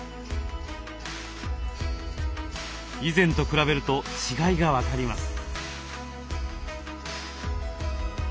以前と比べると違いが分かります。